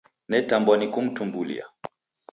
Netambwa ni kumtumbulia.